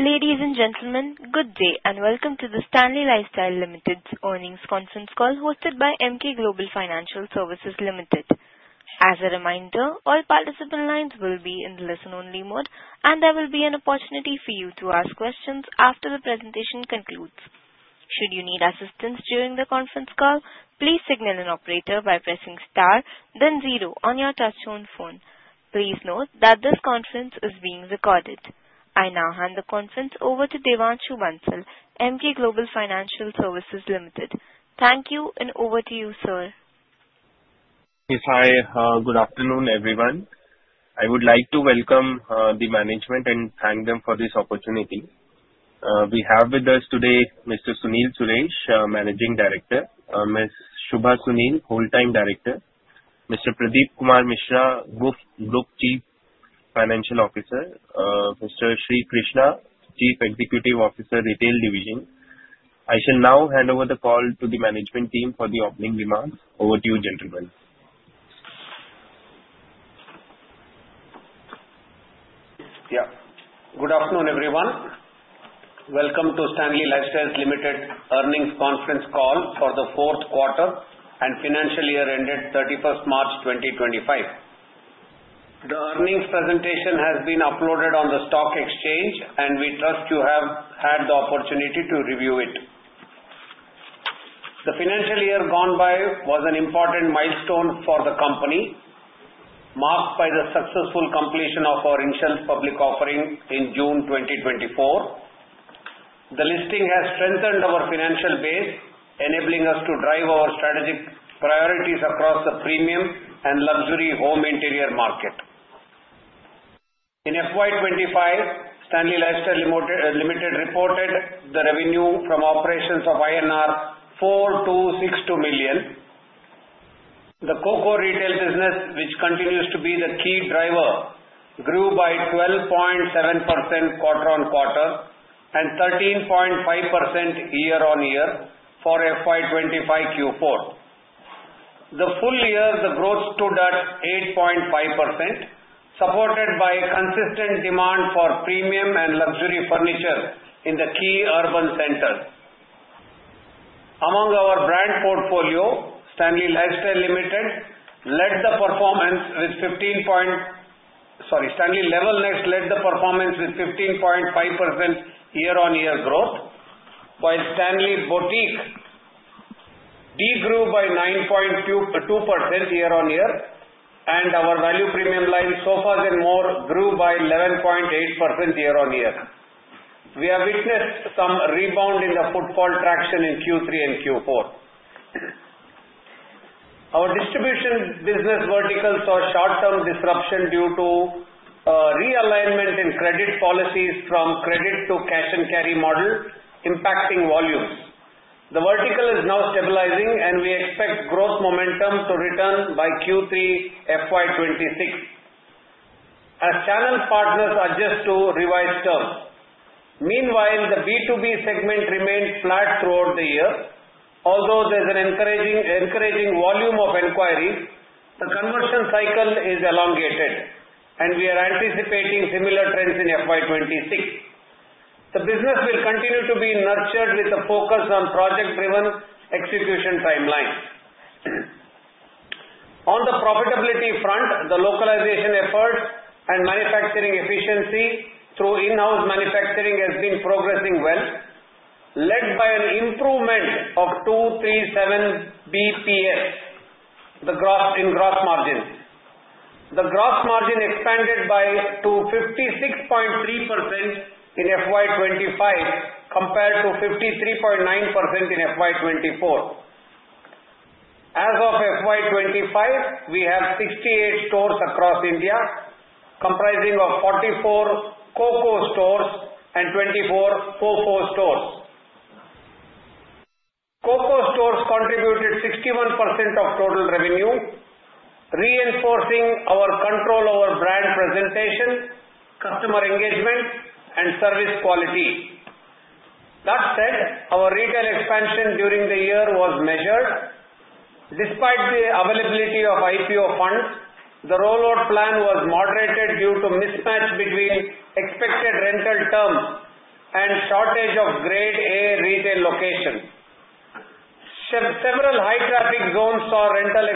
Ladies and gentlemen, good day and welcome to the Stanley Lifestyles Limited's earnings conference call hosted by Emkay Global Financial Services Limited. As a reminder, all participant lines will be in the listen-only mode, and there will be an opportunity for you to ask questions after the presentation concludes. Should you need assistance during the conference call, please signal an operator by pressing star, then zero on your touch-tone phone. Please note that this conference is being recorded. I now hand the conference over to Devanshu Bansal, Emkay Global Financial Services Limited. Thank you, and over to you, sir. Yes, hi. Good afternoon, everyone. I would like to welcome the management and thank them for this opportunity. We have with us today Mr. Sunil Suresh, Managing Director, Ms. Shubha Sunil, Whole-time Director, Mr. Pradeep Kumar Mishra, Group Chief Financial Officer, Mr. Srikrishna, Chief Executive Officer, Retail Division. I shall now hand over the call to the management team for the opening remarks. Over to you, gentlemen. Yeah. Good afternoon, everyone. Welcome to Stanley Lifestyles Limited earnings conference call for the fourth quarter and financial year ended 31st March 2025. The earnings presentation has been uploaded on the stock exchange, and we trust you have had the opportunity to review it. The financial year gone by was an important milestone for the company, marked by the successful completion of our initial public offering in June 2024. The listing has strengthened our financial base, enabling us to drive our strategic priorities across the premium and luxury home interior market. In FY 2025, Stanley Lifestyles Limited reported the revenue from operations of INR 4,262 million. The COCO retail business, which continues to be the key driver, grew by 12.7% quarter-on-quarter and 13.5% year-on-year for FY 2025 Q4. The full year, the growth stood at 8.5%, supported by consistent demand for premium and luxury furniture in the key urban centers. Among our brand portfolio, Stanley Lifestyles Limited led the performance with 15 point, sorry, Stanley Level Next led the performance with 15.5% year-on-year growth, while Stanley Boutique degrew by 9.2% year-on-year, and our value premium line, Sofas & More, grew by 11.8% year-on-year. We have witnessed some rebound in the footfall traction in Q3 and Q4. Our distribution business verticals saw short-term disruption due to realignment in credit policies from credit to cash and carry model, impacting volumes. The vertical is now stabilizing, and we expect growth momentum to return by Q3 FY 2026 as channel partners adjust to revised terms. Meanwhile, the B2B segment remained flat throughout the year. Although there's an encouraging volume of inquiries, the conversion cycle is elongated, and we are anticipating similar trends in FY 2026. The business will continue to be nurtured with a focus on project-driven execution timelines. On the profitability front, the localization efforts and manufacturing efficiency through in-house manufacturing have been progressing well, led by an improvement of 237 basis points in gross margins. The gross margin expanded to 56.3% in FY 2025 compared to 53.9% in FY 24. As of FY 2025, we have 68 stores across India, comprising of 44 COCO stores and 24 FOFO stores. COCO stores contributed 61% of total revenue, reinforcing our control over brand presentation, customer engagement, and service quality. That said, our retail expansion during the year was measured. Despite the availability of IPO funds, the rollout plan was moderated due to mismatch between expected rental terms and shortage of Grade A retail locations. Several high-traffic zones saw rental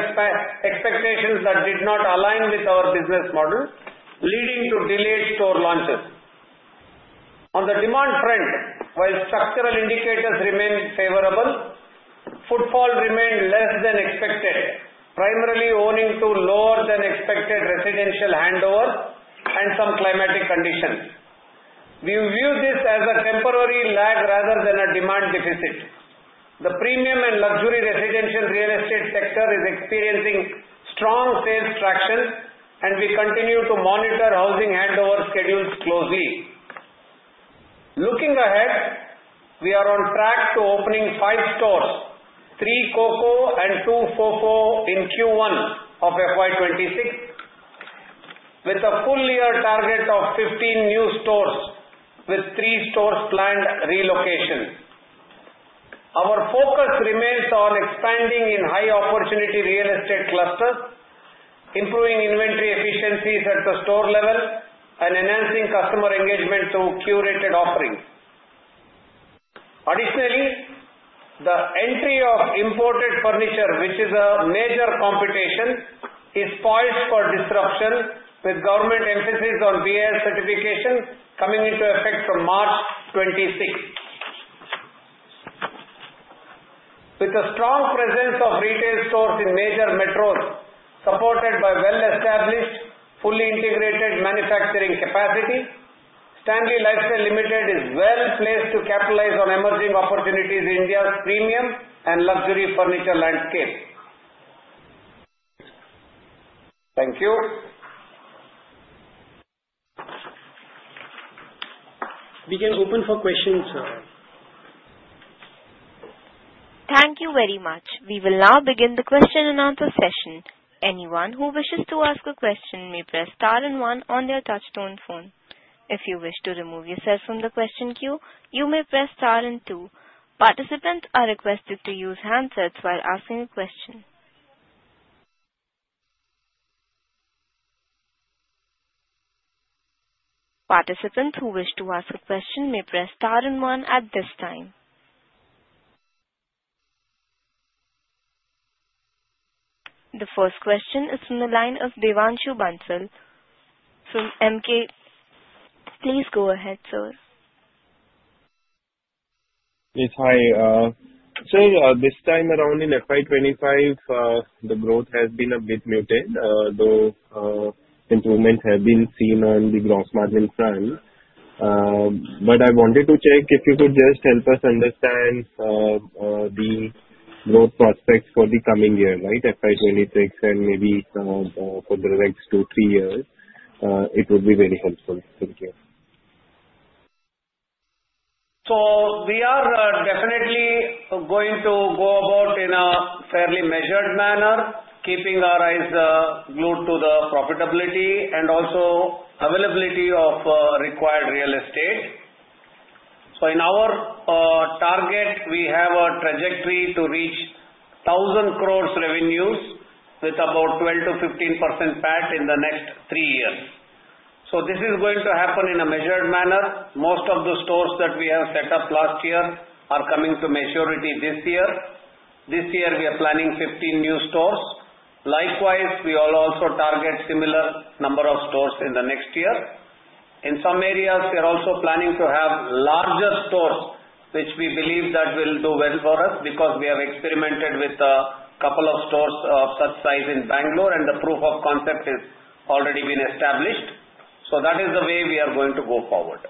expectations that did not align with our business model, leading to delayed store launches. On the demand front, while structural indicators remained favorable, footfall remained less than expected, primarily owing to lower-than-expected residential handover and some climatic conditions. We view this as a temporary lag rather than a demand deficit. The premium and luxury residential real estate sector is experiencing strong sales traction, and we continue to monitor housing handover schedules closely. Looking ahead, we are on track to opening five stores: three COCO and two FOFO in Q1 of FY 2026, with a full-year target of 15 new stores, with three stores planned relocation. Our focus remains on expanding in high-opportunity real estate clusters, improving inventory efficiencies at the store level, and enhancing customer engagement through curated offerings. Additionally, the entry of imported furniture, which is a major competition, is poised for disruption, with government emphasis on BIS certification coming into effect from March 2026. With the strong presence of retail stores in major metros, supported by well-established, fully integrated manufacturing capacity, Stanley Lifestyles Limited is well placed to capitalize on emerging opportunities in India's premium and luxury furniture landscape. Thank you. We can open for questions, sir. Thank you very much. We will now begin the question-and-answer session. Anyone who wishes to ask a question may press star and one on their touch-tone phone. If you wish to remove yourself from the question queue, you may press star and two. Participants are requested to use handsets while asking a question. Participants who wish to ask a question may press star and one at this time. The first question is from the line of Devanshu Bansal from Emkay. Please go ahead, sir. Yes, hi. Sir, this time around in FY 2025, the growth has been a bit muted, though improvements have been seen on the gross margin front, but I wanted to check if you could just help us understand the growth prospects for the coming year, right, FY 2026, and maybe for the next two, three years. It would be very helpful. Thank you. We are definitely going to go about in a fairly measured manner, keeping our eyes glued to the profitability and also availability of required real estate. In our target, we have a trajectory to reach 1,000 crores revenues with about 12%-15% PAT in the next three years. This is going to happen in a measured manner. Most of the stores that we have set up last year are coming to maturity this year. This year, we are planning 15 new stores. Likewise, we will also target a similar number of stores in the next year. In some areas, we are also planning to have larger stores, which we believe that will do well for us because we have experimented with a couple of stores of such size in Bangalore, and the proof of concept has already been established. So that is the way we are going to go forward.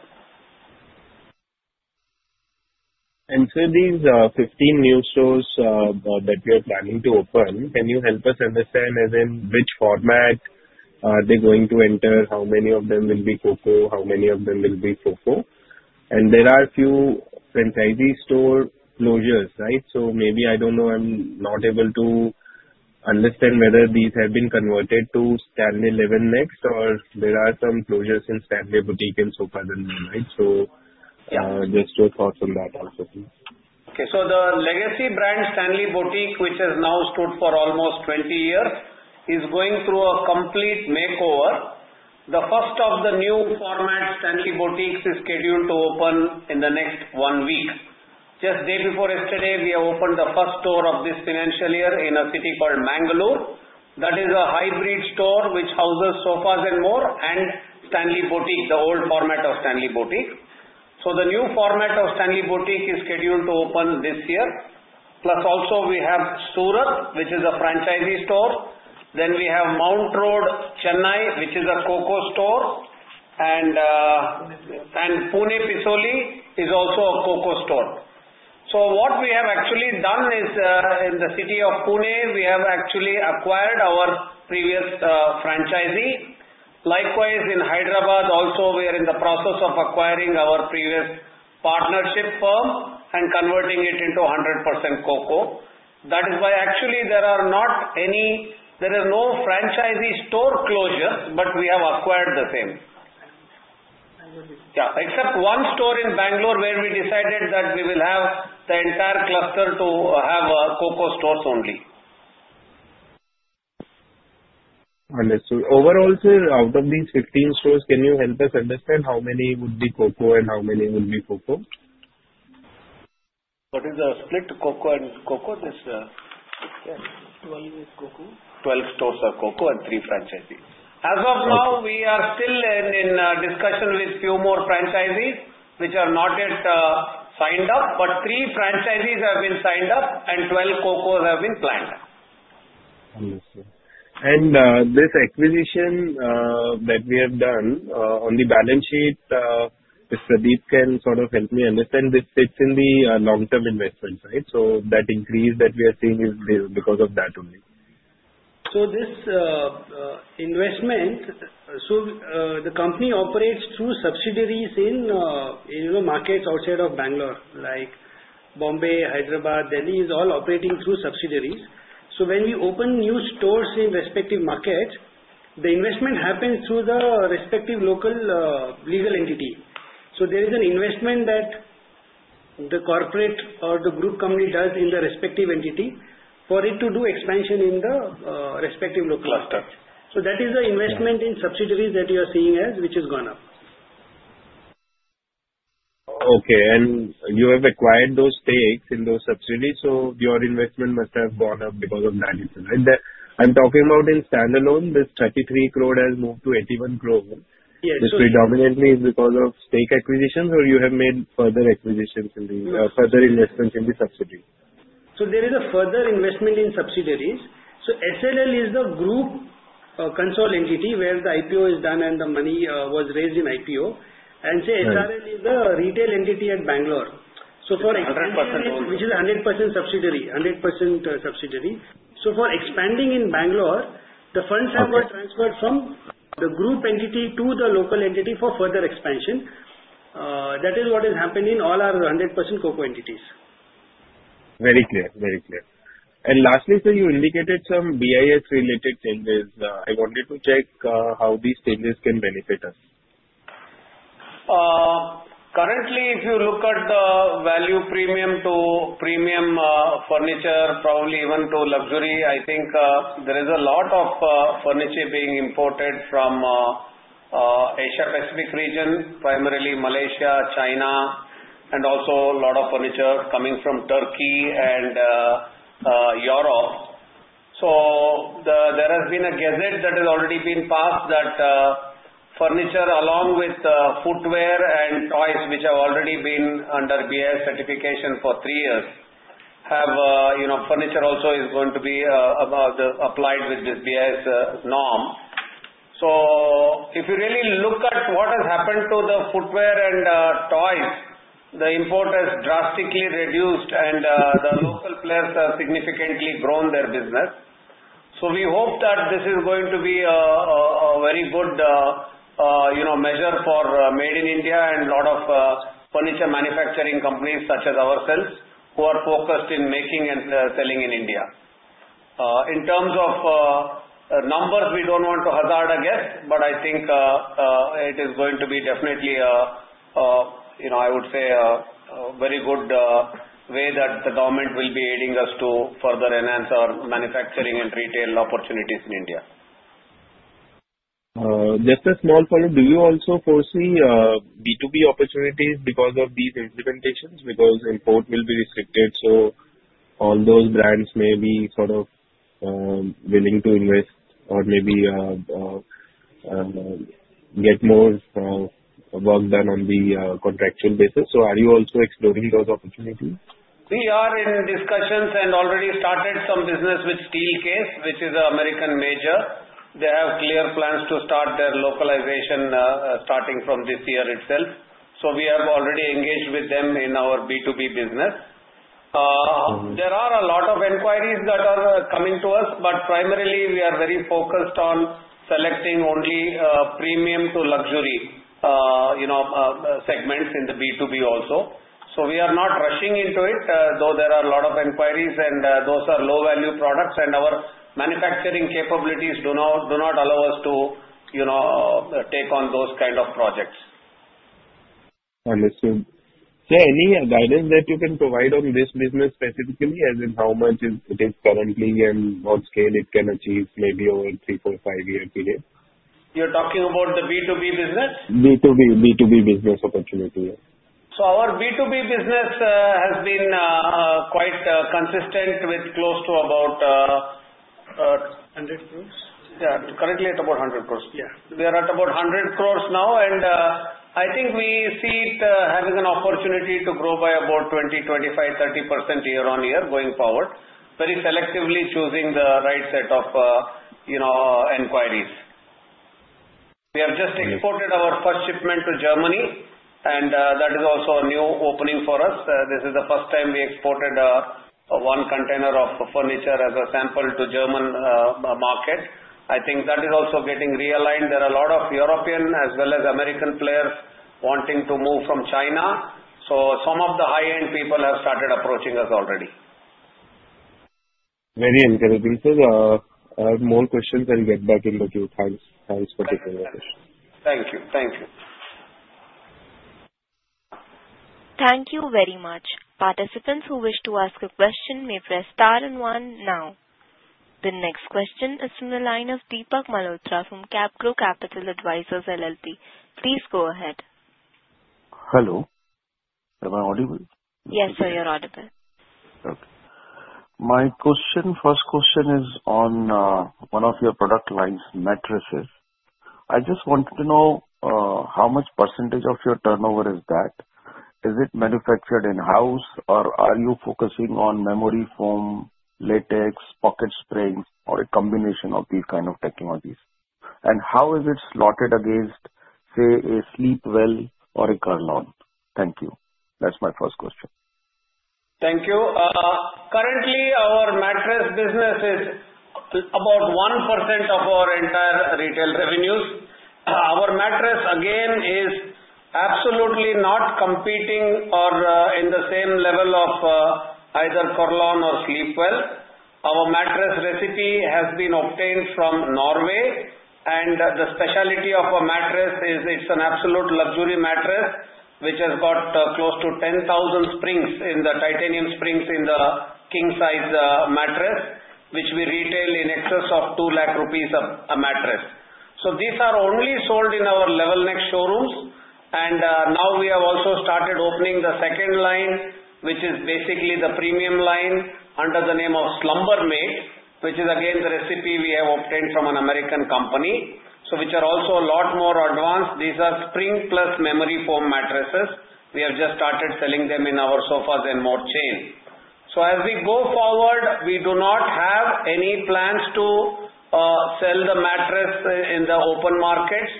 Sir, these 15 new stores that we are planning to open, can you help us understand, as in which format they're going to enter, how many of them will be COCO, how many of them will be FOFO? There are a few franchisee store closures, right? Maybe, I don't know, I'm not able to understand whether these have been converted to Stanley Level Next, or there are some closures in Stanley Boutique and Sofas & More, right? Just your thoughts on that also? Okay. So the legacy brand, Stanley Boutique, which has now stood for almost 20 years, is going through a complete makeover. The first of the new format Stanley Boutiques is scheduled to open in the next one week. Just the day before yesterday, we have opened the first store of this financial year in a city called Mangalore. That is a hybrid store which houses Sofas & More and Stanley Boutique, the old format of Stanley Boutique. So the new format of Stanley Boutique is scheduled to open this year. Plus, also, we have Surat, which is a franchisee store. Then we have Mount Road, Chennai, which is a COCO store. And Pune Pisoli is also a COCO store. So what we have actually done is, in the city of Pune, we have actually acquired our previous franchisee. Likewise, in Hyderabad, also, we are in the process of acquiring our previous partnership firm and converting it into 100% COCO. That is why, actually, there are no franchisee store closures, but we have acquired the same. Yeah, except one store in Bangalore where we decided that we will have the entire cluster to have COCO stores only. Understood. Overall, sir, out of these 15 stores, can you help us understand how many would be COCO and how many would be FOFO? What is the split? COCO and FOFO? 12 stores of COCO and three franchisees. As of now, we are still in discussion with a few more franchisees which are not yet signed up, but three franchisees have been signed up, and 12 COCOs have been planned. Understood. And this acquisition that we have done on the balance sheet, if Pradeep can sort of help me understand, this fits in the long-term investment, right? So that increase that we are seeing is because of that only. So this investment, so the company operates through subsidiaries in markets outside of Bangalore, like Mumbai, Hyderabad, Delhi, is all operating through subsidiaries. So when we open new stores in respective markets, the investment happens through the respective local legal entity. So that is the investment in subsidiaries that you are seeing, which has gone up. Okay. And you have acquired those stakes in those subsidiaries, so your investment must have gone up because of that, right? I'm talking about in standalone, this 33 crore has moved to 81 crore. This predominantly is because of stake acquisitions, or you have made further acquisitions in the further investments in the subsidiaries? There is a further investment in subsidiaries, so SLL is the group consolidated entity where the IPO is done and the money was raised in IPO, and SRL is the retail entity at Bangalore, so for. 100% only. Which is a 100% subsidiary, 100% subsidiary. So for expanding in Bangalore, the funds have been transferred from the group entity to the local entity for further expansion. That is what is happening in all our 100% COCO entities. Very clear. Very clear. And lastly, sir, you indicated some BIS-related changes. I wanted to check how these changes can benefit us? Currently, if you look at the value premium to premium furniture, probably even to luxury, I think there is a lot of furniture being imported from the Asia-Pacific region, primarily Malaysia, China, and also a lot of furniture coming from Turkey and Europe. So there has been a gazette that has already been passed that furniture, along with footwear and toys, which have already been under BIS certification for three years, have furniture also is going to be applied with this BIS norm. So if you really look at what has happened to the footwear and toys, the import has drastically reduced, and the local players have significantly grown their business. So we hope that this is going to be a very good measure for Made in India and a lot of furniture manufacturing companies such as ourselves who are focused in making and selling in India. In terms of numbers, we don't want to hazard a guess, but I think it is going to be definitely, I would say, a very good way that the government will be aiding us to further enhance our manufacturing and retail opportunities in India. Just a small follow-up. Do you also foresee B2B opportunities because of these implementations? Because import will be restricted, so all those brands may be sort of willing to invest or maybe get more work done on the contractual basis. So are you also exploring those opportunities? We are in discussions and already started some business with Steelcase, which is an American major. They have clear plans to start their localization starting from this year itself. So we have already engaged with them in our B2B business. There are a lot of inquiries that are coming to us, but primarily, we are very focused on selecting only premium to luxury segments in the B2B also. So we are not rushing into it, though there are a lot of inquiries, and those are low-value products, and our manufacturing capabilities do not allow us to take on those kinds of projects. Understood. Sir, any guidance that you can provide on this business specifically, as in how much it is currently and what scale it can achieve maybe over a three, four, five-year period? You're talking about the B2B business? B2B business opportunity, yes. So our B2B business has been quite consistent with close to about. 100 crores? Yeah, currently at about 100 crores. We are at about 100 crores now, and I think we see it having an opportunity to grow by about 20%, 25%, 30% year-on-year going forward, very selectively choosing the right set of inquiries. We have just exported our first shipment to Germany, and that is also a new opening for us. This is the first time we exported one container of furniture as a sample to the German market. I think that is also getting realigned. There are a lot of European as well as American players wanting to move from China. So some of the high-end people have started approaching us already. Very encouraging. Sir, I have more questions and get back in a few. Thanks for taking my question. Thank you. Thank you. Thank you very much. Participants who wish to ask a question may press star and one now. The next question is from the line of Deepak Malhotra from CapGrow Capital Advisors LLP. Please go ahead. Hello. Am I audible? Yes, sir, you're audible. Okay. My first question is on one of your product lines, mattresses. I just want to know how much percentage of your turnover is that? Is it manufactured in-house, or are you focusing on memory foam, latex, pocket springs, or a combination of these kinds of technologies? And how is it slotted against, say, a Sleepwell or a Kurlon? Thank you. That's my first question. Thank you. Currently, our mattress business is about 1% of our entire retail revenues. Our mattress, again, is absolutely not competing or in the same level of either Kurlon or Sleepwell. Our mattress recipe has been obtained from Norway, and the specialty of a mattress is it's an absolute luxury mattress which has got close to 10,000 springs in the titanium springs in the king-size mattress, which we retail in excess of 2 lakh rupees a mattress. So these are only sold in our Level Next showrooms. And now we have also started opening the second line, which is basically the premium line under the name of Slumber Mate, which is again the recipe we have obtained from an American company. So which are also a lot more advanced. These are spring plus memory foam mattresses. We have just started selling them in our Sofas & More chain. So as we go forward, we do not have any plans to sell the mattress in the open markets.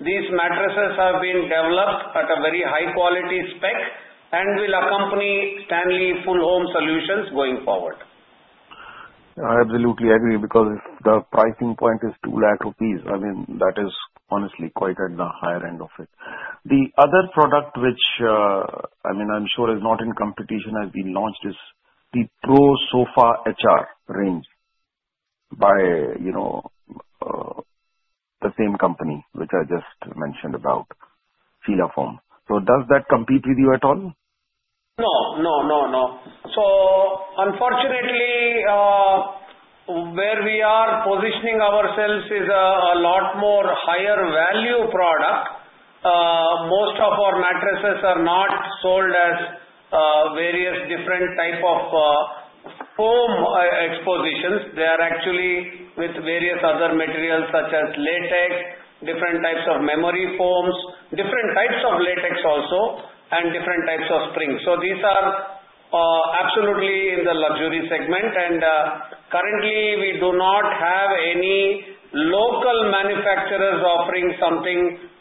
These mattresses have been developed at a very high-quality spec and will accompany Stanley Full Home Solutions going forward. I absolutely agree because if the pricing point is 2 lakh rupees, I mean, that is honestly quite at the higher end of it. The other product which, I mean, I'm sure is not in competition as we launched is the Pro Sofa HR range by the same company which I just mentioned about, Sheela Foam. So does that compete with you at all? No. No. No. No. So unfortunately, where we are positioning ourselves is a lot more higher-value product. Most of our mattresses are not sold as various different types of foam compositions. They are actually with various other materials such as latex, different types of memory foams, different types of latex also, and different types of springs. So these are absolutely in the luxury segment. And currently, we do not have any local manufacturers offering something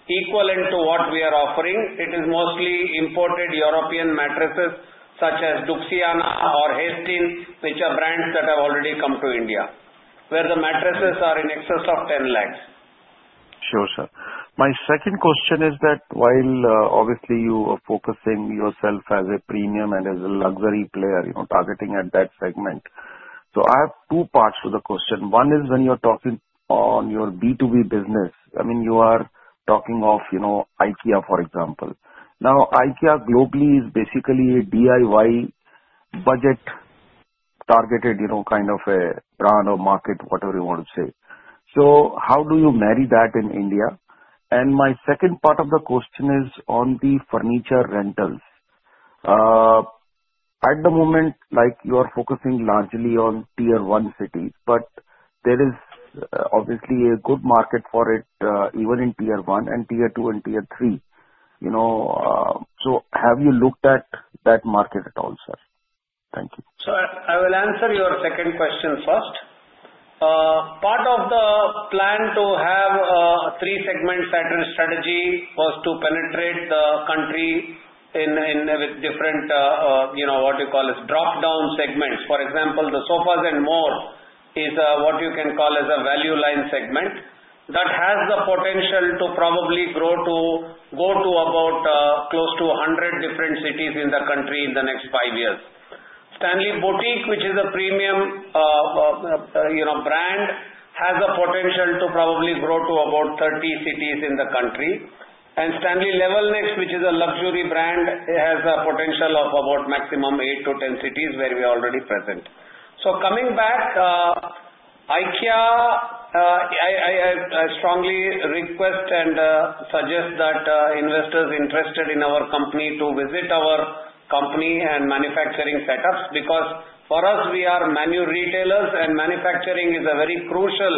equal to what we are offering. It is mostly imported European mattresses such as Duxiana or Hästens, which are brands that have already come to India, where the mattresses are in excess of 10 lakhs. Sure, sir. My second question is that while obviously you are focusing yourself as a premium and as a luxury player, targeting at that segment, so I have two parts to the question. One is when you're talking on your B2B business, I mean, you are talking of IKEA, for example. Now, IKEA globally is basically a DIY budget-targeted kind of a brand or market, whatever you want to say. So how do you marry that in India? And my second part of the question is on the furniture rentals. At the moment, you are focusing largely on tier-one cities, but there is obviously a good market for it even in tier-one and tier-two and tier-three. So have you looked at that market at all, sir? Thank you. So I will answer your second question first. Part of the plan to have a three-segment pattern strategy was to penetrate the country with different, what you call, drop-down segments. For example, the Sofas & More is what you can call as a value line segment that has the potential to probably go to about close to 100 different cities in the country in the next five years. Stanley Boutique, which is a premium brand, has the potential to probably grow to about 30 cities in the country. And Stanley Level Next, which is a luxury brand, has a potential of about maximum eight to 10 cities where we are already present. So coming back, IKEA, I strongly request and suggest that investors interested in our company visit our company and manufacturing setups because for us, we are premium retailers, and manufacturing is a very crucial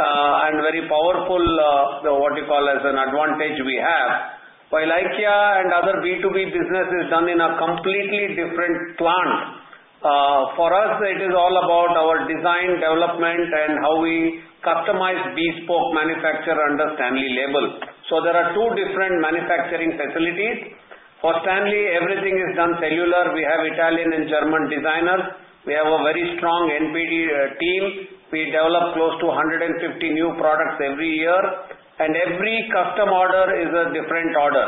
and very powerful, what you call, as an advantage we have. While IKEA and other B2B business is done in a completely different plane. For us, it is all about our design development and how we customize bespoke manufacture under Stanley Lifestyles. So there are two different manufacturing facilities. For Stanley, everything is done cellular. We have Italian and German designers. We have a very strong NPD team. We develop close to 150 new products every year, and every custom order is a different order.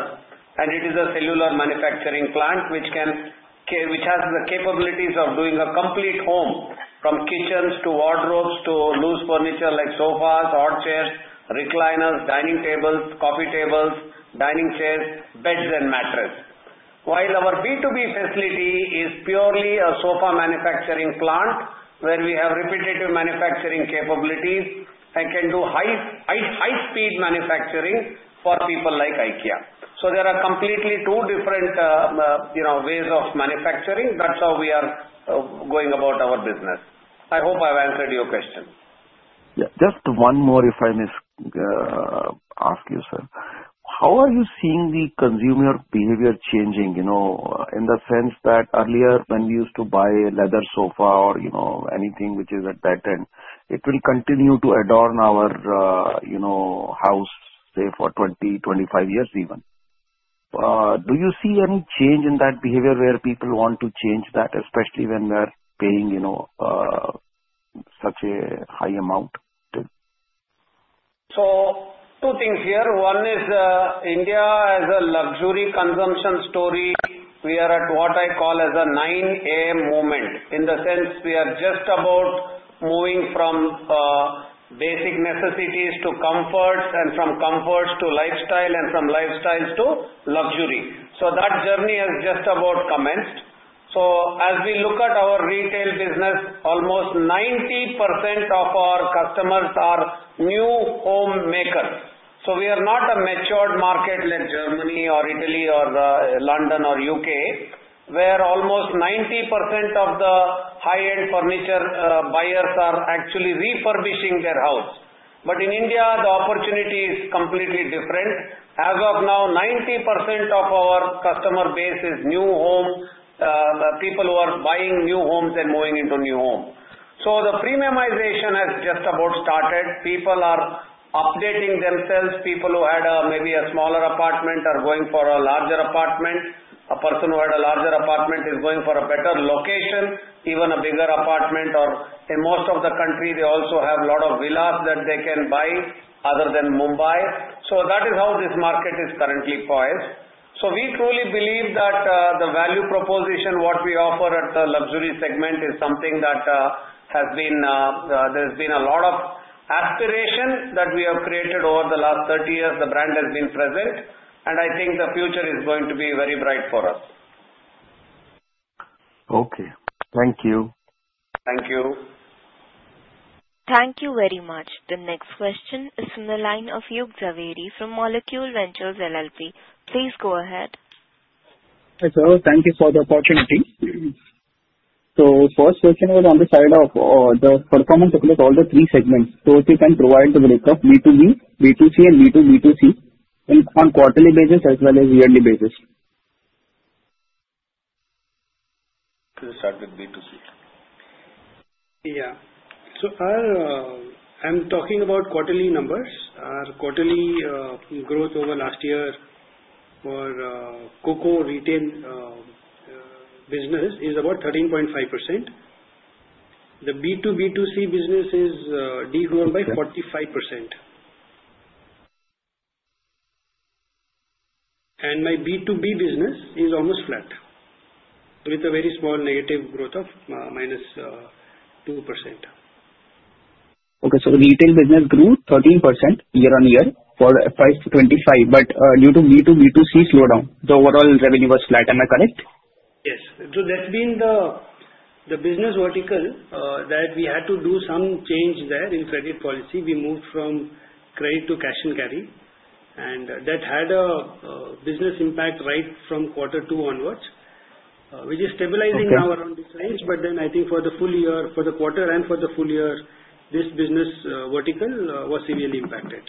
It is a cellular manufacturing plant which has the capabilities of doing a complete home from kitchens to wardrobes to loose furniture like sofas, hard chairs, recliners, dining tables, coffee tables, dining chairs, beds, and mattresses. While our B2B facility is purely a sofa manufacturing plant where we have repetitive manufacturing capabilities and can do high-speed manufacturing for people like IKEA. There are completely two different ways of manufacturing. That's how we are going about our business. I hope I've answered your question. Yeah. Just one more, if I may ask you, sir. How are you seeing the consumer behavior changing in the sense that earlier when we used to buy a leather sofa or anything which is at that end, it will continue to adorn our house, say, for 20, 25 years even? Do you see any change in that behavior where people want to change that, especially when they're paying such a high amount? So two things here. One is India, as a luxury consumption story, we are at what I call as a 9 A.M. moment in the sense we are just about moving from basic necessities to comforts and from comforts to lifestyle and from lifestyles to luxury. So that journey has just about commenced. So as we look at our retail business, almost 90% of our customers are new home makers. So we are not a matured market like Germany or Italy or London or U.K., where almost 90% of the high-end furniture buyers are actually refurbishing their house. But in India, the opportunity is completely different. As of now, 90% of our customer base is new home, people who are buying new homes and moving into new homes. So the premiumization has just about started. People are updating themselves. People who had maybe a smaller apartment are going for a larger apartment. A person who had a larger apartment is going for a better location, even a bigger apartment. In most of the country, they also have a lot of villas that they can buy other than Mumbai. So that is how this market is currently poised. So we truly believe that the value proposition, what we offer at the luxury segment, is something that has been there, a lot of aspiration that we have created over the last 30 years. The brand has been present, and I think the future is going to be very bright for us. Okay. Thank you. Thank you. Thank you very much. The next question is from the line of Yug Jhaveri from Molecule Ventures LLP. Please go ahead. Hi, sir. Thank you for the opportunity. So first question was on the side of the performance across all the three segments. So if you can provide the breakup B2B, B2C, and B2B2C on quarterly basis as well as yearly basis? Could you start with B2C? Yeah. So I'm talking about quarterly numbers. Our quarterly growth over last year for COCO retail business is about 13.5%. The B2B2C business is degrowing by 45%. And my B2B business is almost flat with a very small negative growth of -2%. Okay. So retail business grew 13% year-on-year for 25, but due to B2B2C slowdown, the overall revenue was flat. Am I correct? Yes. So that's been the business vertical that we had to do some change there in credit policy. We moved from credit to cash and carry, and that had a business impact right from quarter two onwards, which is stabilizing now around this range. But then I think for the full year, for the quarter and for the full year, this business vertical was severely impacted.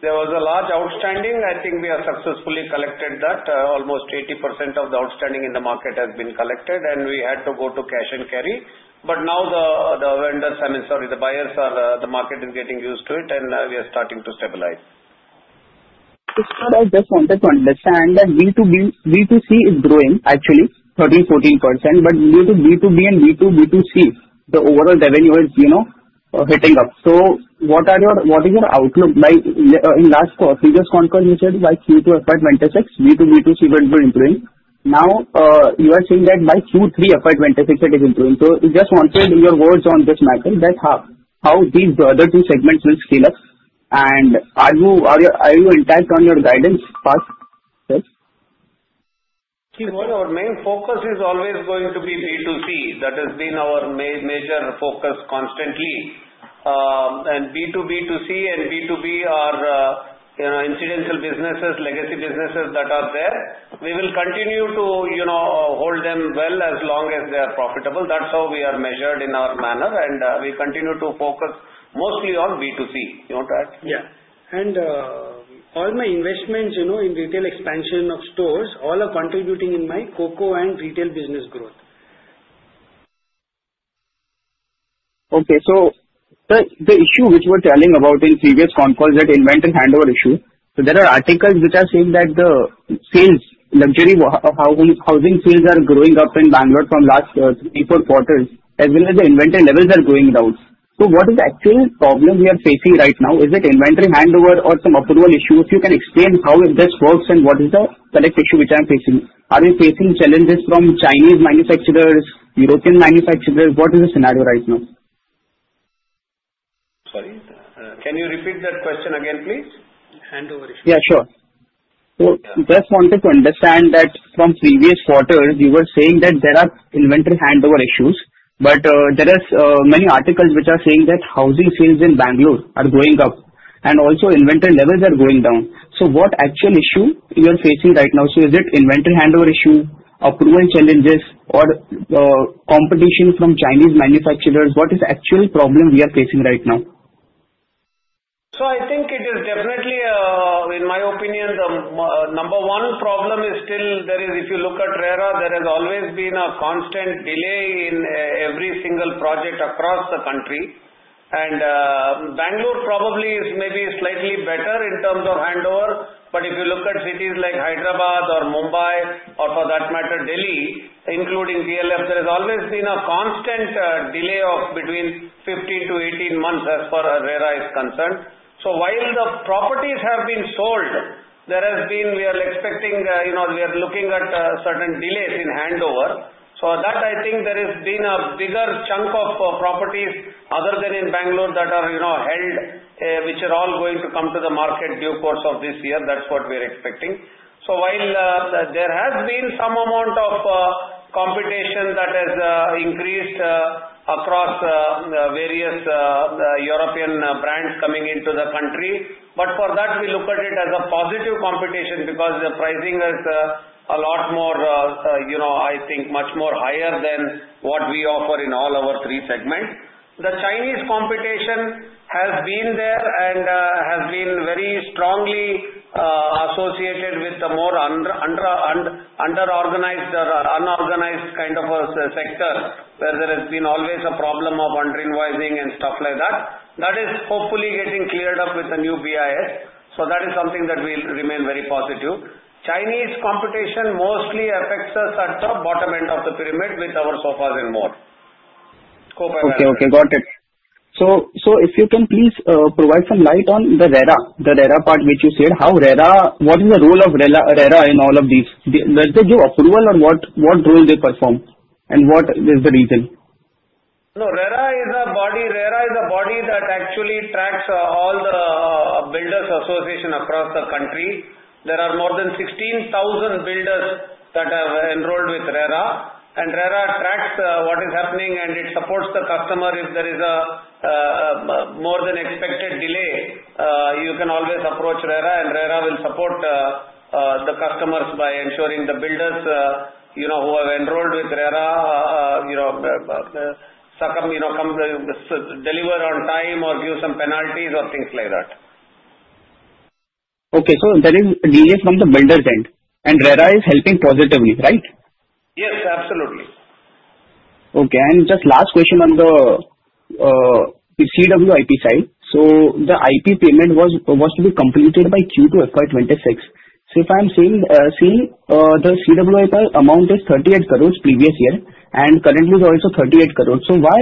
There was a large outstanding. I think we have successfully collected that. Almost 80% of the outstanding in the market has been collected, and we had to go to cash and carry. But now the vendors—I mean, sorry, the buyers—the market is getting used to it, and we are starting to stabilize. So I just wanted to understand that B2C is growing actually 13%-14%, but due to B2B and B2B2C, the overall revenue is hitting up. So what is your outlook? In last call, previous call, you said by Q2 FY 2026, B2B2C went into improving. Now you are saying that by Q3 FY 2026, it is improving. So I just wanted your words on this matter, how these other two segments will scale up. And are you intact on your guidance, sir? Key word, our main focus is always going to be B2C. That has been our major focus constantly. And B2B2C and B2B are incidental businesses, legacy businesses that are there. We will continue to hold them well as long as they are profitable. That's how we are measured in our manner, and we continue to focus mostly on B2C. You want to add? Yeah. And all my investments in retail expansion of stores all are contributing in my COCO and retail business growth. Okay. So the issue which we were telling about in previous conference, that inventory handover issue, so there are articles which are saying that the sales, luxury housing sales are growing up in Bangalore from last three to four quarters, as well as the inventory levels are going down. So what is the actual problem we are facing right now? Is it inventory handover or some approval issue? If you can explain how this works and what is the select issue which I'm facing? Are we facing challenges from Chinese manufacturers, European manufacturers? What is the scenario right now? Sorry. Can you repeat that question again, please? Handover issue. Yeah, sure. So just wanted to understand that from previous quarters, you were saying that there are inventory handover issues, but there are many articles which are saying that housing sales in Bangalore are going up and also inventory levels are going down. So what actual issue you are facing right now? So is it inventory handover issue, approval challenges, or competition from Chinese manufacturers? What is the actual problem we are facing right now? I think it is definitely, in my opinion, the number one problem is still there is, if you look at RERA, there has always been a constant delay in every single project across the country. Bangalore probably is maybe slightly better in terms of handover. If you look at cities like Hyderabad or Mumbai or for that matter, Delhi, including DLF, there has always been a constant delay of between 15-18 months as far as RERA is concerned. While the properties have been sold, there has been, we are expecting, we are looking at certain delays in handover. That, I think, there has been a bigger chunk of properties other than in Bangalore that are held, which are all going to come to the market due course of this year. That's what we are expecting. So while there has been some amount of competition that has increased across various European brands coming into the country, but for that, we look at it as a positive competition because the pricing is a lot more, I think, much more higher than what we offer in all our three segments. The Chinese competition has been there and has been very strongly associated with the more unorganized kind of a sector where there has been always a problem of underinvoicing and stuff like that. That is hopefully getting cleared up with the new BIS. So that is something that will remain very positive. Chinese competition mostly affects us at the bottom end of the pyramid with our Sofas & More. Hope I was clear. Okay. Okay. Got it. So if you can please provide some light on the RERA, the RERA part which you said, how RERA, what is the role of RERA in all of these? Does it do approval or what role do they perform? And what is the reason? No, RERA is a body, RERA is a body that actually tracks all the builders' association across the country. There are more than 16,000 builders that have enrolled with RERA, and RERA tracks what is happening, and it supports the customer. If there is a more than expected delay, you can always approach RERA, and RERA will support the customers by ensuring the builders who have enrolled with RERA come deliver on time or give some penalties or things like that. Okay, so there is a delay from the builders' end, and RERA is helping positively, right? Yes, absolutely. Okay. And just last question on the CWIP side. So the IP payment was to be completed by Q2 FY 2026. So if I'm seeing the CWIP amount is INR 38 crores previous year and currently is also 38 crores, so why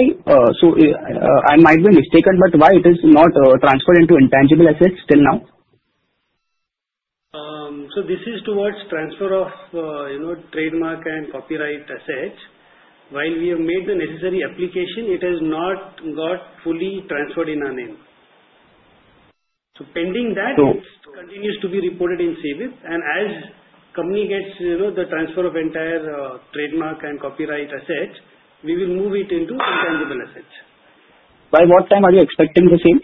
I might be mistaken, but why it is not transferred into intangible assets till now? So this is towards transfer of trademark and copyright assets. While we have made the necessary application, it has not got fully transferred in our name. So pending that, it continues to be reported in CWIP. And as the company gets the transfer of entire trademark and copyright assets, we will move it into intangible assets. By what time are you expecting the same?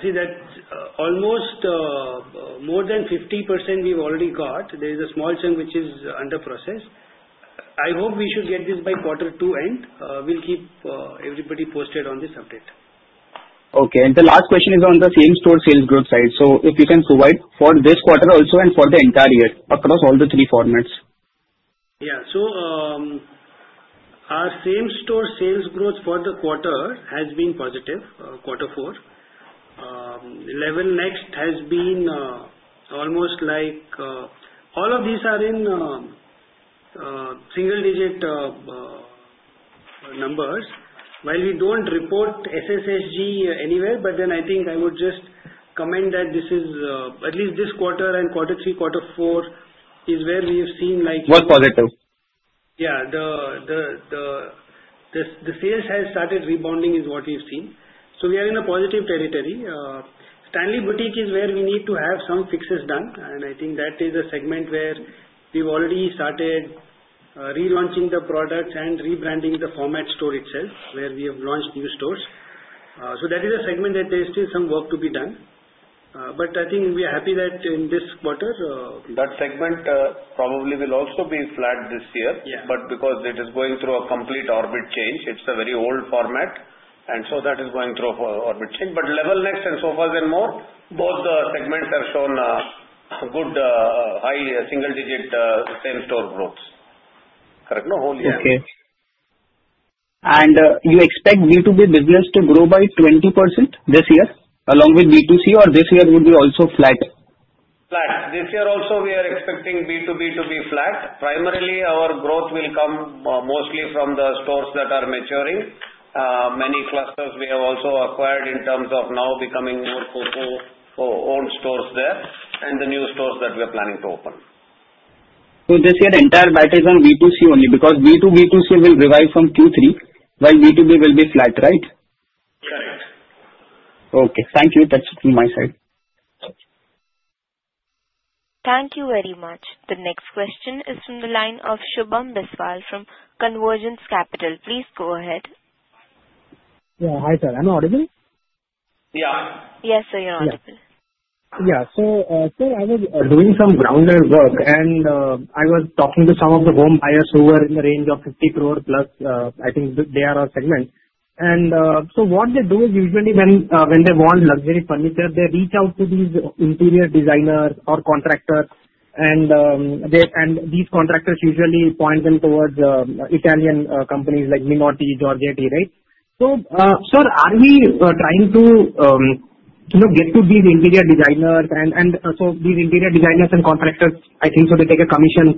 See, that's almost more than 50% we've already got. There is a small chunk which is under process. I hope we should get this by quarter two end. We'll keep everybody posted on this update. Okay. And the last question is on the same store sales growth side. So if you can provide for this quarter also and for the entire year across all the three formats. Yeah. So our same store sales growth for the quarter has been positive, quarter four. Level Next has been almost like all of these are in single-digit numbers. While we don't report SSSG anywhere, but then I think I would just comment that this is at least this quarter and quarter three, quarter four is where we have seen like. Was positive. Yeah. The sales have started rebounding is what we've seen. So we are in a positive territory. Stanley Boutique is where we need to have some fixes done. And I think that is a segment where we've already started relaunching the products and rebranding the format store itself where we have launched new stores. So that is a segment that there is still some work to be done. But I think we are happy that in this quarter. That segment probably will also be flat this year. But because it is going through a complete orbit change, it's a very old format. And so that is going through orbit change. But Level Next and Sofas & More, both the segments have shown good high single-digit same store growth. Correct? No, whole year. Okay. And you expect B2B business to grow by 20% this year along with B2C, or this year would be also flat? Flat. This year also we are expecting B2B to be flat. Primarily, our growth will come mostly from the stores that are maturing. Many clusters we have also acquired in terms of now becoming more COCO owned stores there and the new stores that we are planning to open. So this year entire bet is on B2C only because B2B2C will revive from Q3, while B2B will be flat, right? Correct. Okay. Thank you. That's it from my side. Thank you very much. The next question is from the line of Shubham Biswal from Convergence Capital. Please go ahead. Yeah. Hi, sir. I'm audible? Yeah. Yes, sir. You're audible. Yeah. So I was doing some groundwork, and I was talking to some of the home buyers who were in the range of 50 crore+. I think they are our segment. And so what they do is usually when they want luxury furniture, they reach out to these interior designers or contractors. And these contractors usually point them towards Italian companies like Minotti, Giorgetti, right? So sir, are we trying to get to these interior designers? And so these interior designers and contractors, I think so they take a commission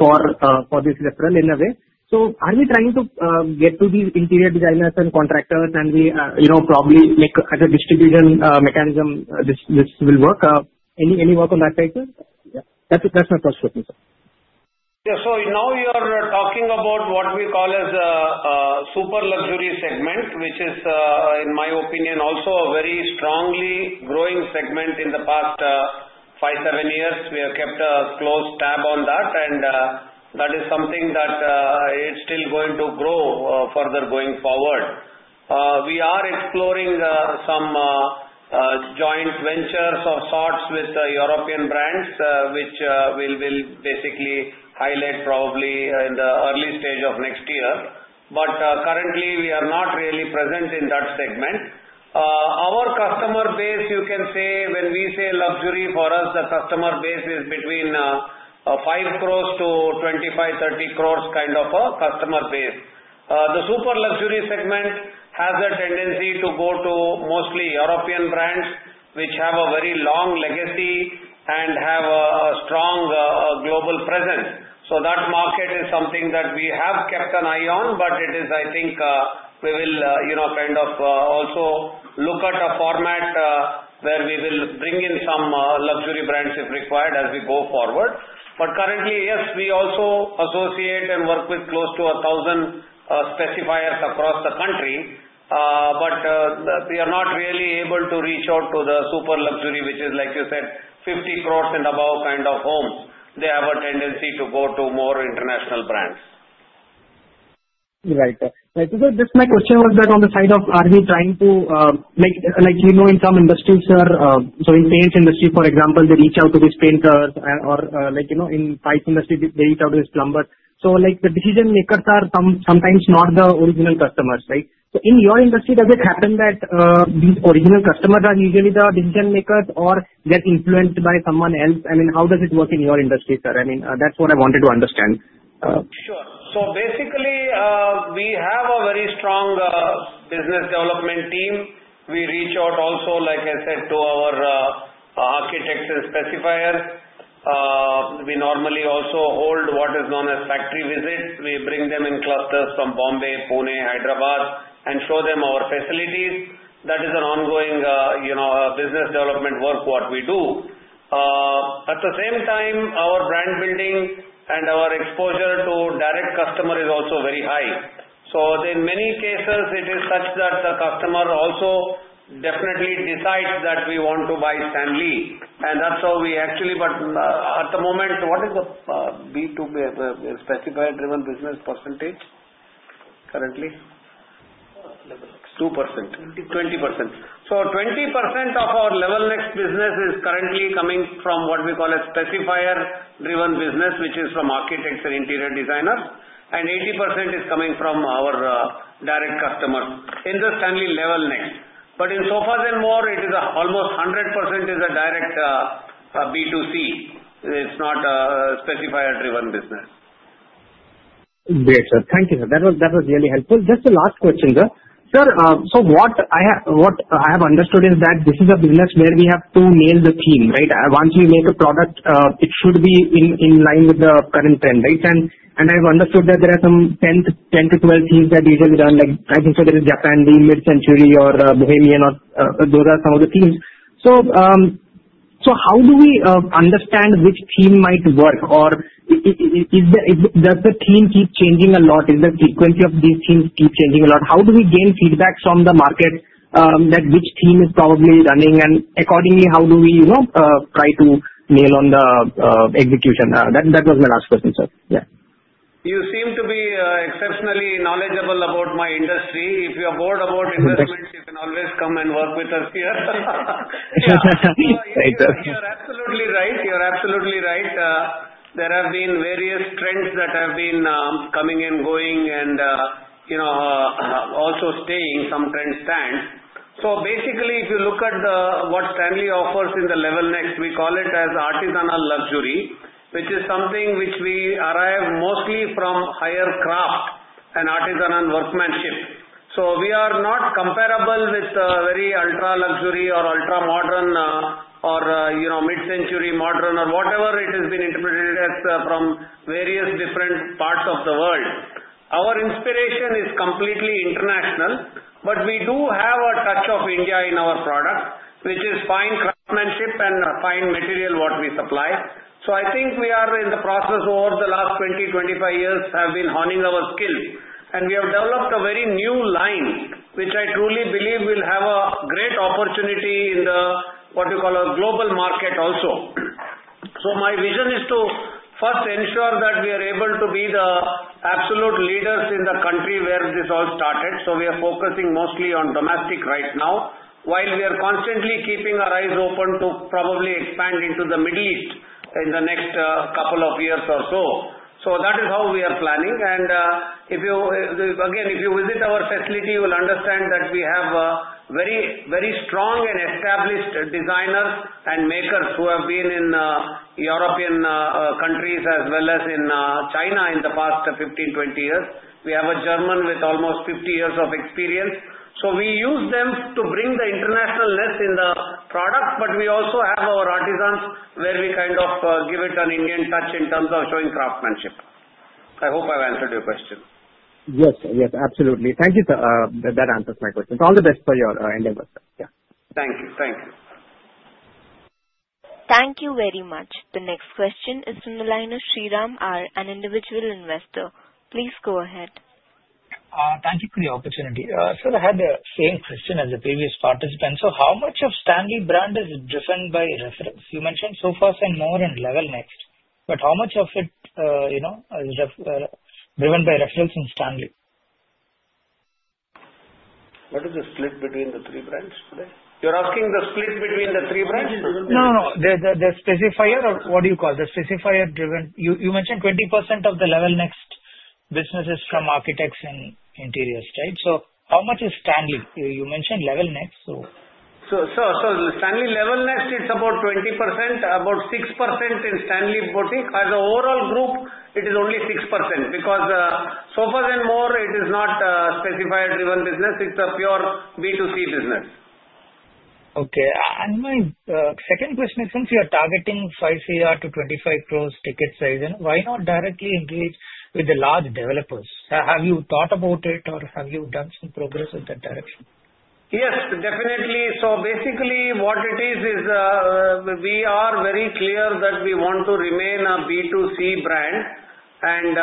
for this referral in a way. So are we trying to get to these interior designers and contractors, and we probably make as a distribution mechanism this will work? Any work on that side? That's my first question, sir. Yeah, so now you are talking about what we call as a super luxury segment, which is, in my opinion, also a very strongly growing segment in the past five, seven years. We have kept a close tab on that, and that is something that it's still going to grow further going forward. We are exploring some joint ventures of sorts with European brands, which we will basically highlight probably in the early stage of next year. But currently, we are not really present in that segment. Our customer base, you can say when we say luxury, for us, the customer base is between 5 crores to 25 crores-30 crores kind of a customer base. The super luxury segment has a tendency to go to mostly European brands, which have a very long legacy and have a strong global presence. That market is something that we have kept an eye on, but it is. I think we will kind of also look at a format where we will bring in some luxury brands if required as we go forward. But currently, yes, we also associate and work with close to 1,000 specifiers across the country. But we are not really able to reach out to the super luxury, which is, like you said, 50 crores and above kind of homes. They have a tendency to go to more international brands. Right. So just my question was that on the side of are we trying to like you know in some industries, sir, so in paints industry, for example, they reach out to these painters, or in pipes industry, they reach out to these plumbers. So the decision makers are sometimes not the original customers, right? So in your industry, does it happen that these original customers are usually the decision makers or they're influenced by someone else? I mean, how does it work in your industry, sir? I mean, that's what I wanted to understand. Sure. So basically, we have a very strong business development team. We reach out also, like I said, to our architects and specifiers. We normally also hold what is known as factory visits. We bring them in clusters from Mumbai, Pune, Hyderabad, and show them our facilities. That is an ongoing business development work what we do. At the same time, our brand building and our exposure to direct customer is also very high. So in many cases, it is such that the customer also definitely decides that we want to buy Stanley. And that's how we actually—but at the moment, what is the B2B specifier-driven business percentage currently? Level next. 2%. 20%. 20%. So 20% of our Level Next business is currently coming from what we call a specifier-driven business, which is from architects and interior designers. And 80% is coming from our direct customers in the Stanley Level Next. But in Sofas & More, it is almost 100% a direct B2C. It's not a specifier-driven business. Great, sir. Thank you, sir. That was really helpful. Just the last question, sir. Sir, so what I have understood is that this is a business where we have to nail the theme, right? Once we make a product, it should be in line with the current trend, right? And I've understood that there are some 10 to 12 themes that usually run. I think so there is Japandi, mid-century or Bohemian, or those are some of the themes. So how do we understand which theme might work? Or does the theme keep changing a lot? Is the frequency of these themes keep changing a lot? How do we gain feedback from the market that which theme is probably running? And accordingly, how do we try to nail on the execution? That was my last question, sir. Yeah. You seem to be exceptionally knowledgeable about my industry. If you are bored about investments, you can always come and work with us here. You're absolutely right. You're absolutely right. There have been various trends that have been coming and going and also staying. Some trends stand. So basically, if you look at what Stanley offers in the Level Next, we call it as artisanal luxury, which is something which we derive mostly from higher craft and artisanal workmanship. So we are not comparable with very ultra-luxury or ultra-modern or mid-century modern or whatever it has been interpreted as from various different parts of the world. Our inspiration is completely international, but we do have a touch of India in our product, which is fine craftsmanship and fine material what we supply. So I think we are in the process. Over the last 20-25 years we have been honing our skill. And we have developed a very new line, which I truly believe will have a great opportunity in what we call a global market also. So my vision is to first ensure that we are able to be the absolute leaders in the country where this all started. So we are focusing mostly on domestic right now, while we are constantly keeping our eyes open to probably expand into the Middle East in the next couple of years or so. So that is how we are planning. And again, if you visit our facility, you will understand that we have very strong and established designers and makers who have been in European countries as well as in China in the past 15-20 years. We have a German with almost 50 years of experience. So we use them to bring the internationalness in the product, but we also have our artisans where we kind of give it an Indian touch in terms of showing craftsmanship. I hope I've answered your question. Yes, sir. Yes, absolutely. Thank you. That answers my question. So all the best for your endeavors, sir. Yeah. Thank you. Thank you. Thank you very much. The next question is from the line of Sriram R, an individual investor. Please go ahead. Thank you for the opportunity. Sir, I had the same question as the previous participant, so how much of Stanley brand is driven by reference? You mentioned sofas and more and level next, but how much of it is driven by reference in Stanley? What is the split between the three brands today? You're asking the split between the three brands? No, no, no. The specifier or what do you call the specifier-driven? You mentioned 20% of the Level Next business is from architects and interiors, right? So how much is Stanley? You mentioned Level Next, so. Sir, Stanley Level Next, it's about 20%. About 6% in Stanley Boutique. As an overall group, it is only 6% because Sofas & More, it is not specifier-driven business. It's a pure B2C business. Okay. And my second question is, since you are targeting 5 crore to 25 crores ticket size, why not directly engage with the large developers? Have you thought about it, or have you done some progress in that direction? Yes, definitely. So basically, what it is, is we are very clear that we want to remain a B2C brand and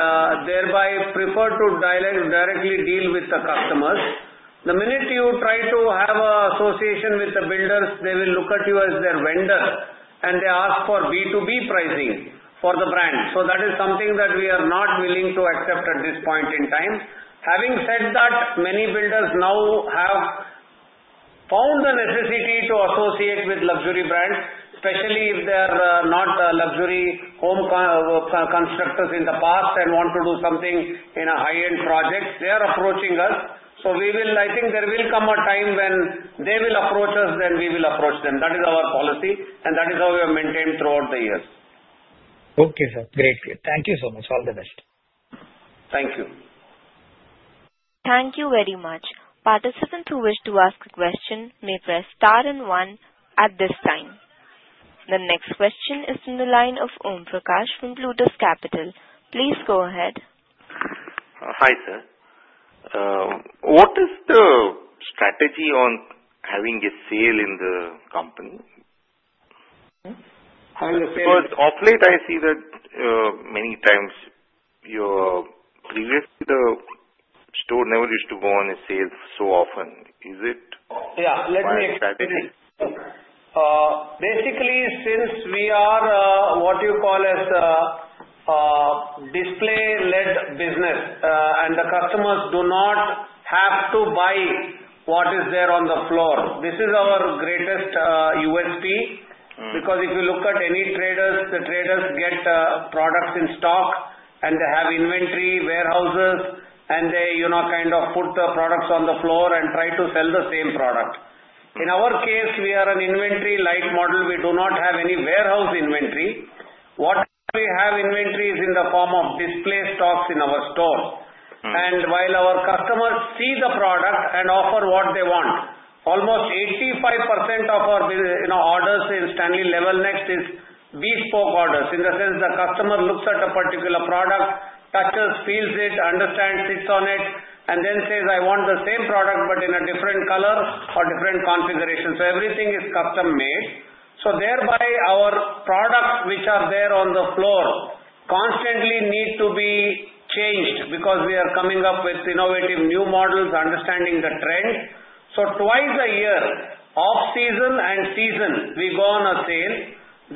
thereby prefer to directly deal with the customers. The minute you try to have an association with the builders, they will look at you as their vendor, and they ask for B2B pricing for the brand. So that is something that we are not willing to accept at this point in time. Having said that, many builders now have found the necessity to associate with luxury brands, especially if they are not luxury home constructors in the past and want to do something in a high-end project. They are approaching us. So I think there will come a time when they will approach us, then we will approach them. That is our policy, and that is how we have maintained throughout the years. Okay, sir. Great. Thank you so much. All the best. Thank you. Thank you very much. Participants who wish to ask a question may press star and one at this time. The next question is from the line of Omprakash from Plutus Capital. Please go ahead. Hi, sir. What is the strategy on having a sale in the company? Because of late, I see that many times previously, the store never used to go on a sale so often. Is it? Yeah. Let me explain. Basically, since we are what you call as a display-led business, and the customers do not have to buy what is there on the floor, this is our greatest USP because if you look at any traders, the traders get products in stock, and they have inventory warehouses, and they kind of put the products on the floor and try to sell the same product. In our case, we are an inventory light model. We do not have any warehouse inventory. What we have inventory is in the form of display stocks in our store. While our customers see the product and offer what they want, almost 85% of our orders in Stanley Level Next is bespoke orders in the sense the customer looks at a particular product, touches, feels it, understands it on it, and then says, "I want the same product, but in a different color or different configuration." So everything is custom-made. So thereby, our products, which are there on the floor, constantly need to be changed because we are coming up with innovative new models, understanding the trends. So twice a year, off-season and season, we go on a sale.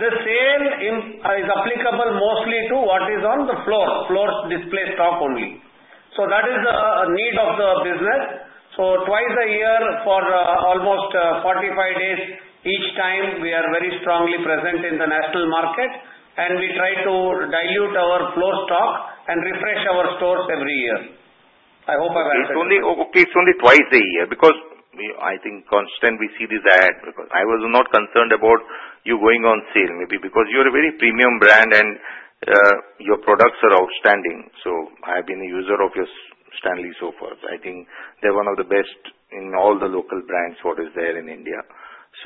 The sale is applicable mostly to what is on the floor, floor display stock only. So that is the need of the business. So twice a year for almost 45 days, each time we are very strongly present in the national market, and we try to dilute our floor stock and refresh our stores every year. I hope I've answered your question. Okay. It's only twice a year because I think constantly we see this ad because I was not concerned about you going on sale maybe because you are a very premium brand, and your products are outstanding. So I have been a user of your Stanley sofas. I think they're one of the best in all the local brands what is there in India.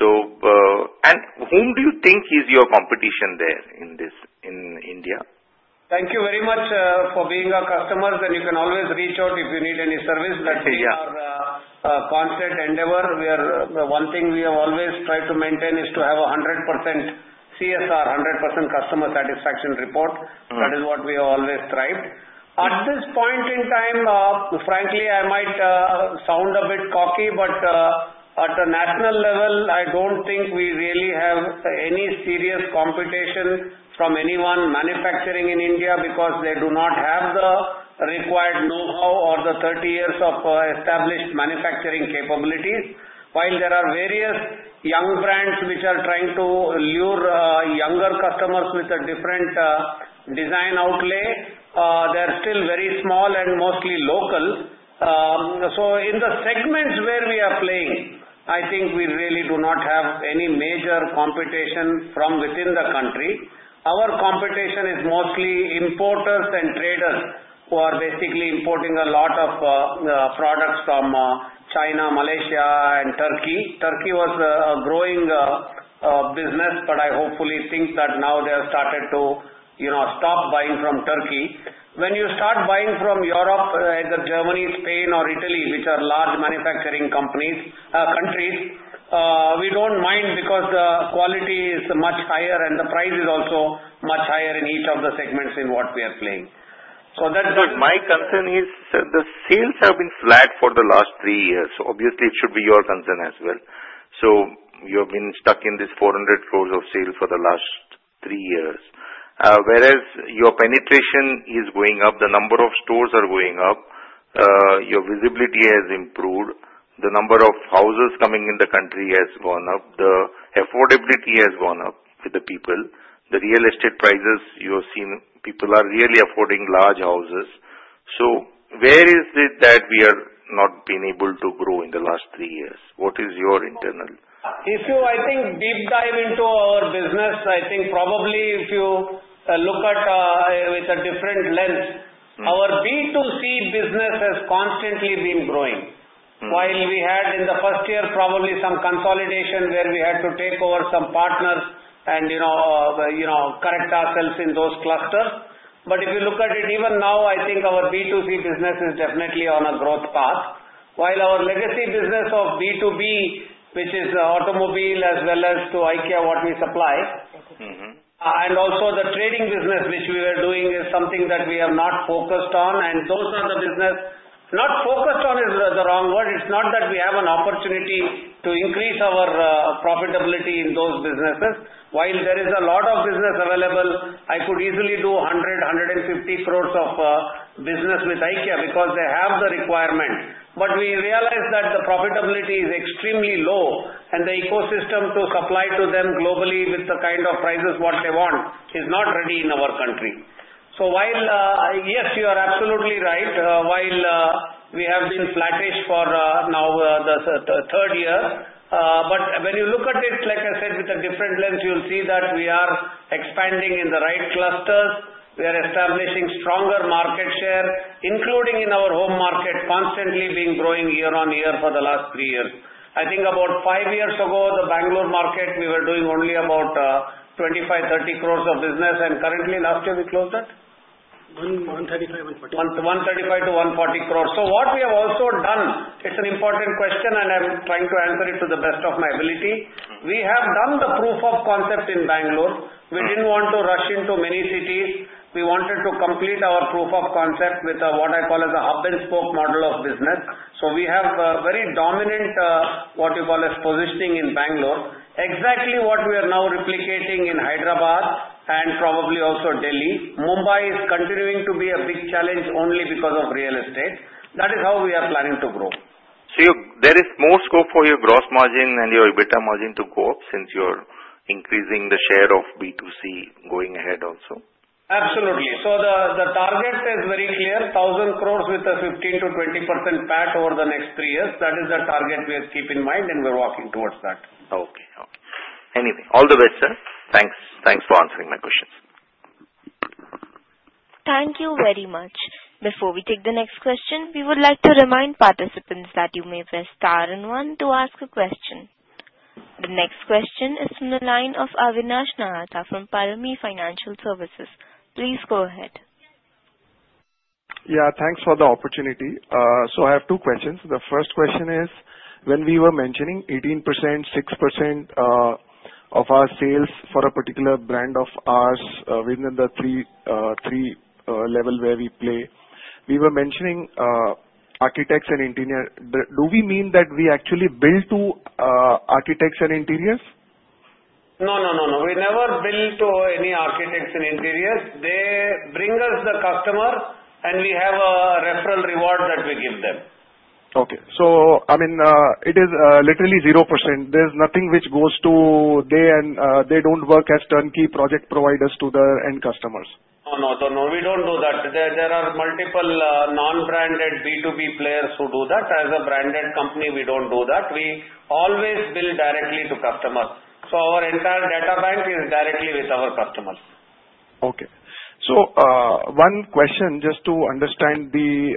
And whom do you think is your competition there in India? Thank you very much for being our customers, and you can always reach out if you need any service. That is our constant endeavor. One thing we have always tried to maintain is to have a 100% CSR, 100% customer satisfaction report. That is what we have always thrived. At this point in time, frankly, I might sound a bit cocky, but at the national level, I don't think we really have any serious competition from anyone manufacturing in India because they do not have the required know-how or the 30 years of established manufacturing capabilities. While there are various young brands which are trying to lure younger customers with a different design outlay, they're still very small and mostly local, so in the segments where we are playing, I think we really do not have any major competition from within the country. Our competition is mostly importers and traders who are basically importing a lot of products from China, Malaysia, and Turkey. Turkey was a growing business, but I hopefully think that now they have started to stop buying from Turkey. When you start buying from Europe, either Germany, Spain, or Italy, which are large manufacturing countries, we don't mind because the quality is much higher and the price is also much higher in each of the segments in what we are playing. So that's the. My concern is, sir, the sales have been flat for the last three years. Obviously, it should be your concern as well. So you have been stuck in this 400 crores of sales for the last three years. Whereas your penetration is going up, the number of stores are going up, your visibility has improved, the number of houses coming in the country has gone up, the affordability has gone up with the people. The real estate prices you have seen, people are really affording large houses. So where is it that we have not been able to grow in the last three years? What is your internal? If you, I think, deep dive into our business, I think probably if you look at it with a different lens, our B2C business has constantly been growing. While we had in the first year probably some consolidation where we had to take over some partners and correct ourselves in those clusters. But if you look at it even now, I think our B2C business is definitely on a growth path. While our legacy business of B2B, which is automobile as well as to IKEA what we supply, and also the trading business which we were doing is something that we have not focused on. And those are the business not focused on is the wrong word. It's not that we have an opportunity to increase our profitability in those businesses. While there is a lot of business available, I could easily do 100 crores-150 crores of business with IKEA because they have the requirement. But we realize that the profitability is extremely low, and the ecosystem to supply to them globally with the kind of prices what they want is not ready in our country. So yes, you are absolutely right. While we have been flattish for now the third year, but when you look at it, like I said, with a different lens, you'll see that we are expanding in the right clusters. We are establishing stronger market share, including in our home market, constantly being growing year-on-year for the last three years. I think about five years ago, the Bangalore market, we were doing only about 25 crores-30 crores of business. And currently, last year we closed at? 135 crores, 140 crores. 135 crores-140 crores. So what we have also done, it's an important question, and I'm trying to answer it to the best of my ability. We have done the proof of concept in Bangalore. We didn't want to rush into many cities. We wanted to complete our proof of concept with what I call as a hub-and-spoke model of business. So we have very dominant what you call as positioning in Bangalore, exactly what we are now replicating in Hyderabad and probably also Delhi. Mumbai is continuing to be a big challenge only because of real estate. That is how we are planning to grow. So there is more scope for your gross margin and your EBITDA margin to go up since you are increasing the share of B2C going ahead also? Absolutely. So the target is very clear, 1,000 crores with a 15%-20% PAT over the next three years. That is the target we keep in mind, and we're walking towards that. Okay. Anyway, all the best, sir. Thanks for answering my questions. Thank you very much. Before we take the next question, we would like to remind participants that you may press star and one to ask a question. The next question is from the line of Avinash Nahata from Parami Financial Services. Please go ahead. Yeah. Thanks for the opportunity. So I have two questions. The first question is, when we were mentioning 18%, 6% of our sales for a particular brand of ours within the three levels where we play, we were mentioning architects and interiors. Do we mean that we actually bill to architects and interiors? No, no, no, no. We never bill to any architects and interiors. They bring us the customer, and we have a referral reward that we give them. Okay. So I mean, it is literally 0%. There's nothing which goes to them, and they don't work as turnkey project providers to the end customers. No, no, no. We don't do that. There are multiple non-branded B2B players who do that. As a branded company, we don't do that. We always bill directly to customers. So our entire data bank is directly with our customers. Okay. So one question just to understand the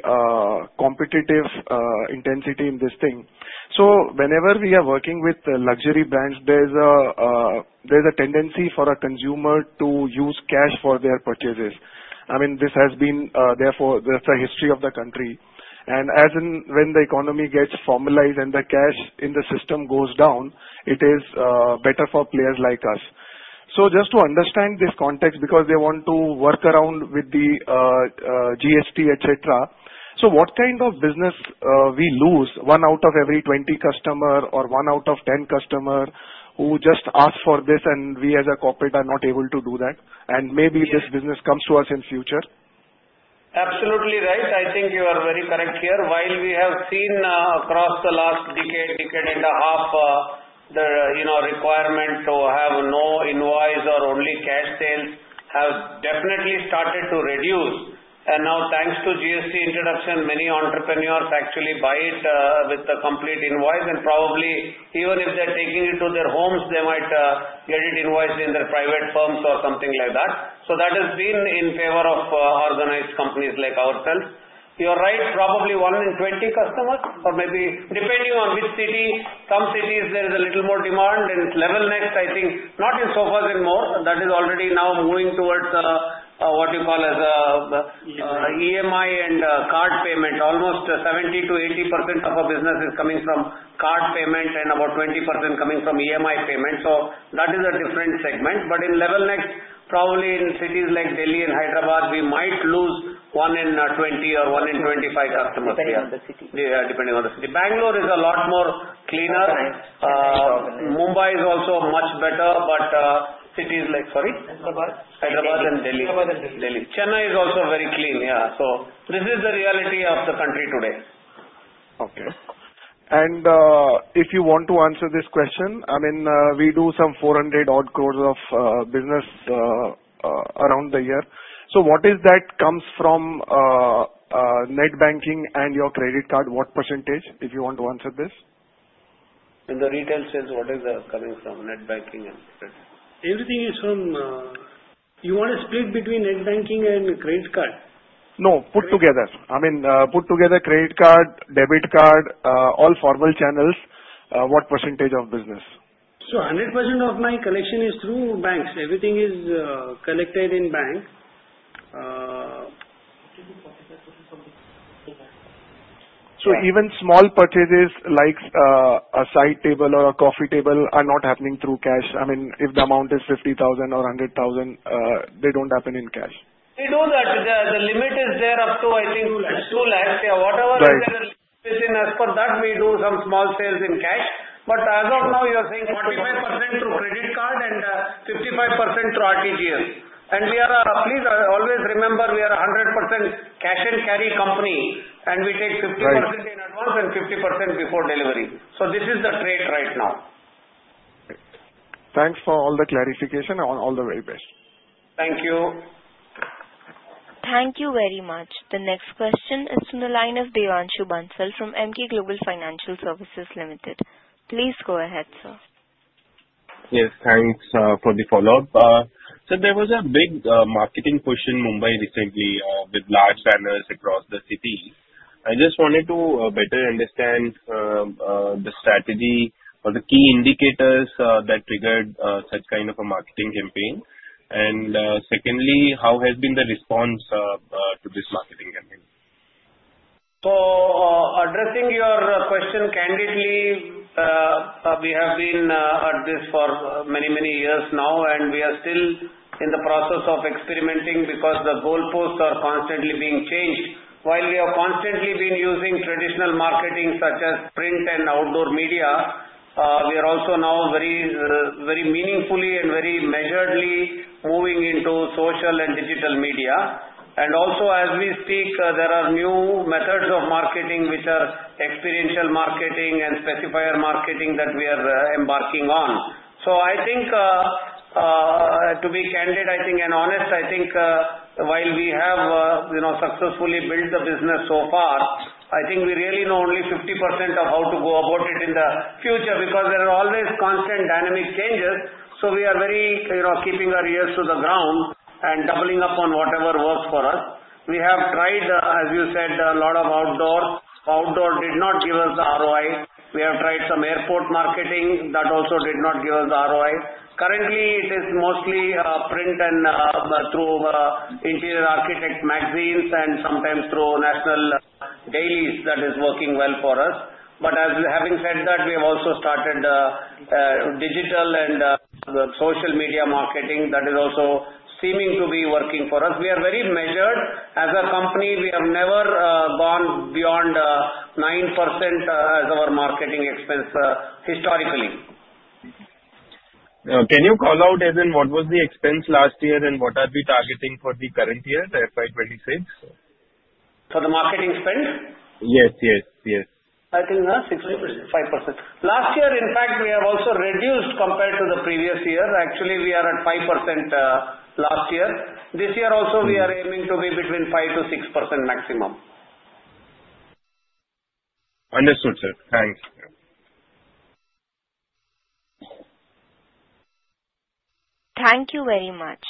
competitive intensity in this thing. So whenever we are working with luxury brands, there's a tendency for a consumer to use cash for their purchases. I mean, this has been there for the history of the country. And when the economy gets formalized and the cash in the system goes down, it is better for players like us. So just to understand this context because they want to work around with the GST, etc., so what kind of business we lose one out of every 20 customers or one out of 10 customers who just ask for this, and we as a corporate are not able to do that? And maybe this business comes to us in the future. Absolutely right. I think you are very correct here. While we have seen across the last decade and a half, the requirement to have no invoice or only cash sales has definitely started to reduce. And now, thanks to GST introduction, many entrepreneurs actually buy it with the complete invoice. And probably even if they're taking it to their homes, they might get it invoiced in their private firms or something like that. So that has been in favor of organized companies like ourselves. You're right, probably one in 20 customers or maybe depending on which city. Some cities, there is a little more demand. And Level Next, I think not in Sofas & More. That is already now moving towards what you call as EMI and card payment. Almost 70%-80% of our business is coming from card payment and about 20% coming from EMI payment. So that is a different segment. But in Level Next, probably in cities like Delhi and Hyderabad, we might lose one in 20 or one in 25 customers. Depending on the city. Yeah, depending on the city. Bangalore is a lot more cleaner. Mumbai is also much better, but cities like - sorry? Hyderabad. Hyderabad and Delhi. Hyderabad and Delhi. Chennai is also very clean. Yeah. So this is the reality of the country today. Okay. If you want to answer this question, I mean, we do some 400-odd crores of business around the year. So what is that comes from net banking and your credit card? What percentage, if you want to answer this? The retail sales, what is that coming from net banking and credit? Everything is from, you want to split between net banking and credit card? No, put together. I mean, put together credit card, debit card, all formal channels. What percentage of business? 100% of my collection is through banks. Everything is collected in banks. So even small purchases like a side table or a coffee table are not happening through cash. I mean, if the amount is 50,000 or 100,000, they don't happen in cash. We do that. The limit is there up to, I think, 2 lakhs. 2 lakhs. Yeah, whatever is in as per that, we do some small sales in cash. But as of now, you are saying 45% through credit card and 55% through RTGS. And please always remember, we are a 100% cash and carry company, and we take 50% in advance and 50% before delivery. So this is the trade right now. Thanks for all the clarification. All the very best. Thank you. Thank you very much. The next question is from the line of Devanshu Bansal from Emkay Global Financial Services Limited. Please go ahead, sir. Yes. Thanks for the follow-up. So there was a big marketing push in Mumbai recently with large banners across the city. I just wanted to better understand the strategy or the key indicators that triggered such kind of a marketing campaign. And secondly, how has been the response to this marketing campaign? Addressing your question candidly, we have been at this for many, many years now, and we are still in the process of experimenting because the goalposts are constantly being changed. While we have constantly been using traditional marketing such as print and outdoor media, we are also now very meaningfully and very measuredly moving into social and digital media. Also, as we speak, there are new methods of marketing which are experiential marketing and specifier marketing that we are embarking on. I think, to be candid, I think, and honest, I think while we have successfully built the business so far, I think we really know only 50% of how to go about it in the future because there are always constant dynamic changes. We are very keeping our ears to the ground and doubling up on whatever works for us. We have tried, as you said, a lot of outdoor. Outdoor did not give us the ROI. We have tried some airport marketing that also did not give us the ROI. Currently, it is mostly print and through interior architect magazines and sometimes through national dailies that is working well for us. But having said that, we have also started digital and social media marketing that is also seeming to be working for us. We are very measured. As a company, we have never gone beyond 9% as our marketing expense historically. Can you call out, Evan, what was the expense last year and what are we targeting for the current year, the FY 2026? For the marketing spend? Yes, yes, yes. I think 5%. Last year, in fact, we have also reduced compared to the previous year. Actually, we are at 5% last year. This year also, we are aiming to be between 5%-6% maximum. Understood, sir. Thanks. Thank you very much.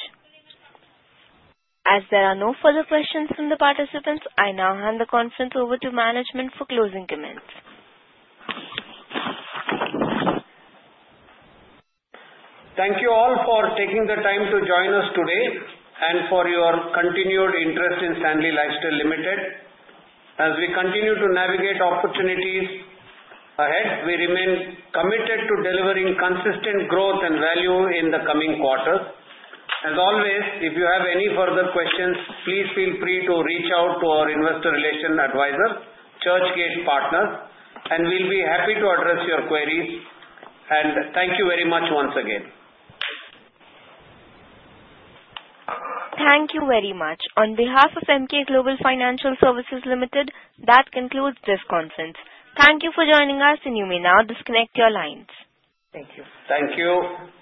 As there are no further questions from the participants, I now hand the conference over to management for closing comments. Thank you all for taking the time to join us today and for your continued interest in Stanley Lifestyles Limited. As we continue to navigate opportunities ahead, we remain committed to delivering consistent growth and value in the coming quarters. As always, if you have any further questions, please feel free to reach out to our Investor Relations advisor, Churchgate Partners, and we'll be happy to address your queries. And thank you very much once again. Thank you very much. On behalf of Emkay Global Financial Services Limited, that concludes this conference. Thank you for joining us, and you may now disconnect your lines. Thank you. Thank you.